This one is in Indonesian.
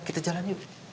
kita jalan yuk